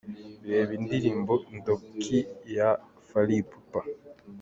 Reba indirimbo "Ndoki" ya Fally Ipupa.